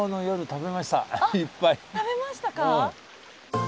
食べましたか？